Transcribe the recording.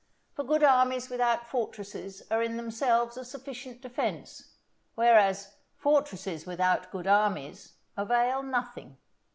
For good armies without fortresses are in themselves a sufficient defence: whereas, fortresses without good armies avail nothing.